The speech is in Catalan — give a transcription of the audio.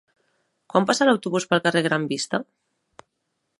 Quan passa l'autobús pel carrer Gran Vista?